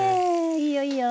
いいよいいよ。